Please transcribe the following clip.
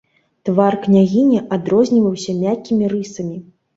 Твар княгіні адрозніваўся мяккімі рысамі.